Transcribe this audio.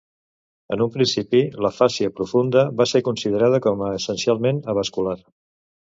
En un principi, la fàscia profunda va ser considerada com a essencialment avascular.